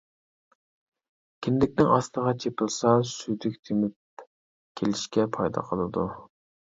كىندىكنىڭ ئاستىغا چېپىلسا، سۈيدۈك تېمىپ كېلىشكە پايدا قىلىدۇ.